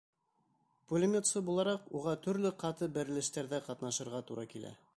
Пулеметсы булараҡ уға төрлө ҡаты бәрелештәрҙә ҡатнашырға тура килә.